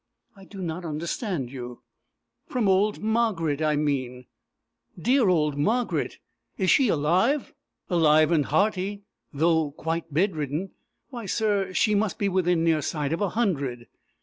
"I do not understand you." "From old Margaret, I mean." "Dear old Margaret! Is she alive?" "Alive and hearty, though quite bedridden. Why, sir, she must be within near sight of a hundred."